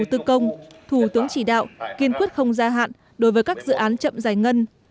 thủ tướng chỉ đạo kiên quyết không gia hạn đối với các dự án chậm giải ngân